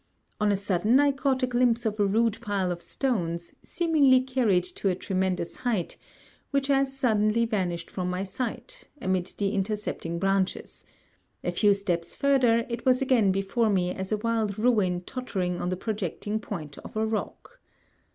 On a sudden, I caught a glimpse of a rude pile of stones, seemingly carried to a tremendous height, which as suddenly vanished from my sight, amidst the intercepting branches; a few steps further, it was again before me as a wild ruin tottering on the projecting point of a rock.